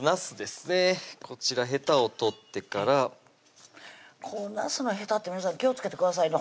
こちらへたを取ってからなすのへたって皆さん気をつけてくださいね